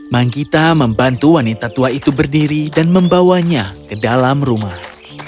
manggita membantu wanita tua itu berdiri dan membawanya ke dalam rumah